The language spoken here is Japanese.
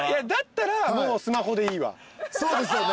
そうですよね